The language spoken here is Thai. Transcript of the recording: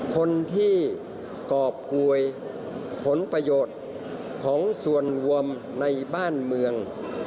คนที่กรอบกวยผลประโยชน์ของส่วนรวมในบ้านเมือง